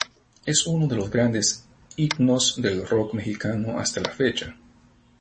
Es uno de los grandes himnos del Rock Mexicano hasta la fecha.